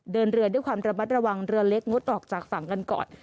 เดินเรือด้วยความระมัดระวังเรือเล็กงดออกจากฝั่งกันก่อน